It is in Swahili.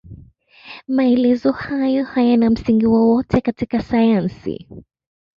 Maelezo hayo hayana msingi wowote katika sayansi.